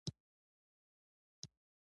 په کلي کې یو ټوکي ملا هلکانو ته سبقونه ویل.